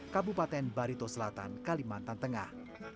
kabupaten barito selatan kalimantan tengah